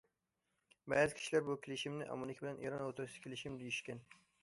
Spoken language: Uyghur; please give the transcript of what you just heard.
بەزى كىشىلەر بۇ كېلىشىمنى« ئامېرىكا بىلەن ئىران ئوتتۇرىسىدىكى كېلىشىم» دېيىشكەن.